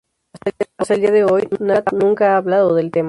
Hasta el día de hoy, Nat nunca ha hablado del tema.